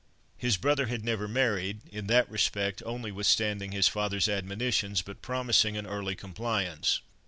His brother had never married; in that respect only withstanding his father's admonitions, but promising an early compliance.